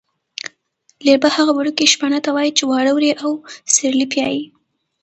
لېربه هغه وړکي شپانه ته وايي چې واړه وري او سېرلی پیایي.